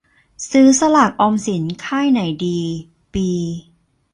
ซื้อสลากออมทรัพย์ค่ายไหนดี ปี